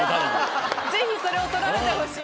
ぜひそれを撮られてほしい！